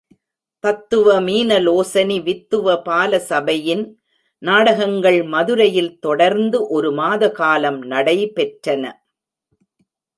தத்துவ மீனலோசனி வித்துவ பாலசபையின் நாடகங்கள் மதுரையில் தொடர்ந்து ஒரு மாதகாலம் நடைபெற்றன.